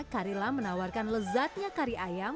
kari lam menawarkan lezatnya kari ayam